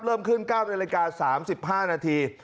เริ่มขึ้นกร้าวในตลา๓๕๐นาที